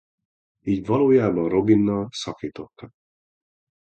Így valójában Robinnal szakítottak.